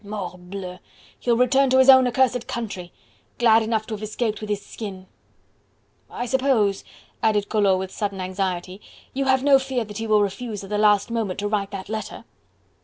"Morbleu! he'll return to his own accursed country... glad enough to have escaped with his skin.... I suppose," added Collot with sudden anxiety, "you have no fear that he will refuse at the last moment to write that letter?"